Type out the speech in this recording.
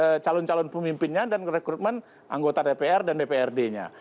kepada calon calon pemimpinnya dan rekrutmen anggota dpr dan dprd nya